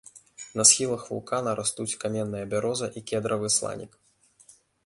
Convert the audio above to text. На схілах вулкана растуць каменная бяроза і кедравы сланік.